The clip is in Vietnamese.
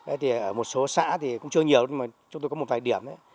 ở một số xã thì cũng chưa nhiều nhưng mà chúng tôi có một vài điểm